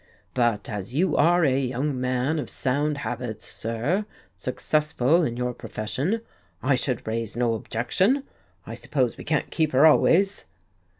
But as you are a young man of sound habits, sir, successful in your profession, I should raise no objection. I suppose we can't keep her always."